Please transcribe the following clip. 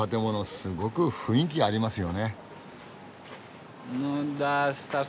すごく雰囲気ありますよね？